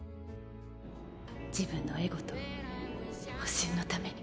自分のエゴと保身のために。